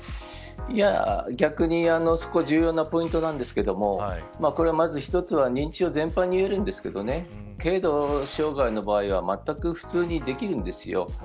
逆に、そこは重要なポイントなんですけどこれは、まず一つは認知症全般に言えるんですけど軽度障害の場合はまったく普通にできるんですよ。